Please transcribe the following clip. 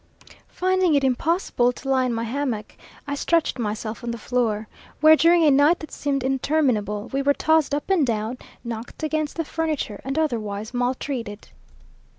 Finding it impossible to lie in my hammock, I stretched myself on the floor; where, during a night that seemed interminable, we were tossed up and down, knocked against the furniture, and otherwise maltreated.